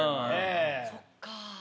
そっかぁ。